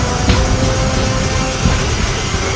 kau tak bisa menyembuhkan